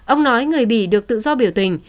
ông nói người bị được tự do biểu tình